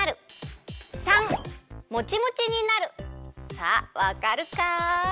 さあわかるかい？